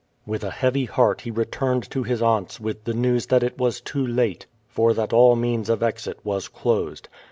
With a heavy heart he returned to his aunt's with the news that it was too late, for that all means of exit was closed.